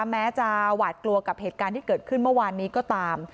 แม้จะหวาดกลัวกับเหตุการณ์ที่เกิดขึ้นเมื่อวานนี้ก็ตาม